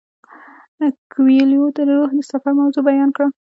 کویلیو د روح د سفر موضوع بیان کړه.